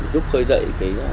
giúp khơi dậy